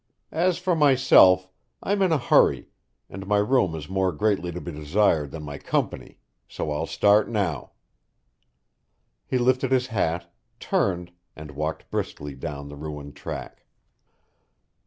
As for myself, I'm in a hurry, and my room is more greatly to be desired than my company, so I'll start now." He lifted his hat, turned, and walked briskly down the ruined track.